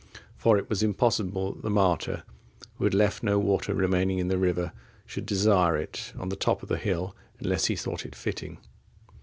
For it was impossible that the martyr, who had left no water remaining in the river, should desire it on the top of the hill, unless he thought it fitting.